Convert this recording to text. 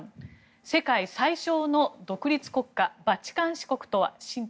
世界最小の独立国家バチカン市国とは？